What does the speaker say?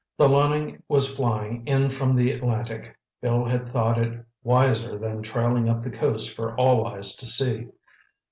The Loening was flying in from the Atlantic. Bill had thought it wiser than trailing up the coast for all eyes to see.